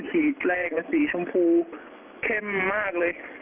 ขีดแรกเป็นสีชมพูเค็มมากเลย